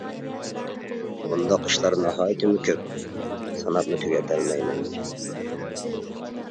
بۇنداق ئىشلار ناھايىتىمۇ كۆپ، ساناپمۇ تۈگىتەلمەيمەن.